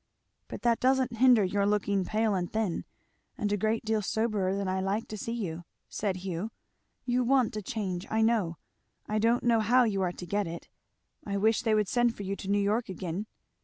"But that doesn't hinder your looking pale and thin, and a great deal soberer than I like to see you," said Hugh. "You want a change, I know. I don't know how you are to get it. I wish they would send for you to New York again."